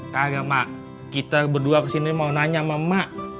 kagak mak kita berdua kesini mau nanya sama emak